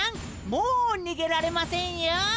もうにげられませんよ。